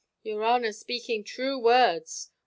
"Your honour speaking true words."